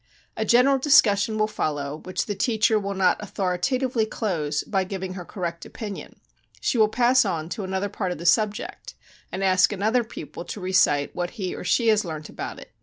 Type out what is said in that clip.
A general discussion will follow which the teacher will not authoritatively close by giving her correct opinion; she will pass on to another part of the subject and ask another pupil to recite what he or she has learnt about it.